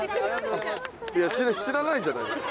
いや知らないじゃないですか。